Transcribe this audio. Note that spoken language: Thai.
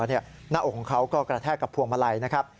หน้าอกของเขาก็กระแทกกับพวงมาลัยนะครับ